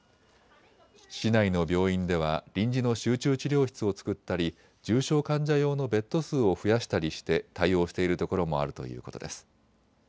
市内の病院では臨時の集中治療室を作ったり重症患者用のベッド数を増やしたりして対応しているところもあるということです。